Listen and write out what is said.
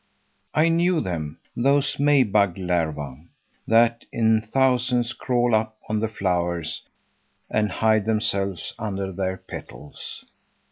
I knew them, those May bug larvæ, that in thousands crawl up on the flowers and hide themselves under their petals.